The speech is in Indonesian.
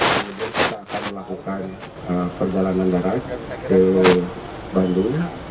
kemudian kita akan melakukan perjalanan darat ke bandung